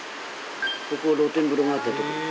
ここ露天風呂があったとこ。